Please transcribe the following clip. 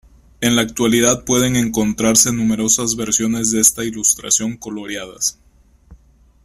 En la actualidad pueden encontrarse numerosas versiones de esta ilustración coloreadas.